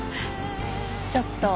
ちょっと！